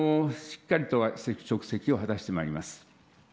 しっかりと職責を果たしてまいります。